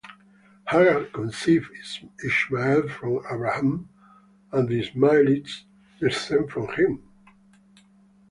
Hagar conceived Ishmael from Abraham, and the Ishmaelites descend from him.